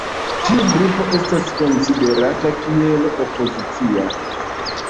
Tiu grupo estas konsiderata kiel opozicia.